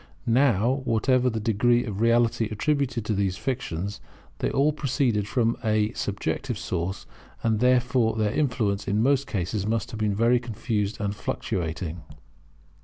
Now, whatever the degree of reality attributed to these fictions, they all proceeded from a subjective source; and therefore their influence in most cases must have been very confused and fluctuating.